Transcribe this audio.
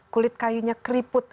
kulit kayunya keriput